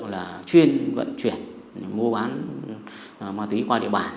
là chuyên vận chuyển mua bán ma túy qua địa bàn